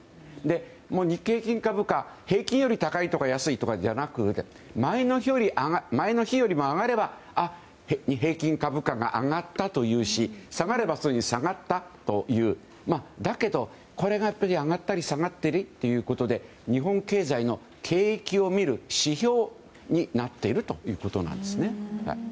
日経平均株価平均より高いとか安じゃなく前の日よりも上がれば平均株価が上がったというし下がれば、下がったというだけど、これが上がったり下がったりということで日本経済の景気を見る指標になっているということなんです。